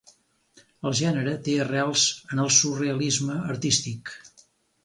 El gènere té arrels en el surrealisme artístic.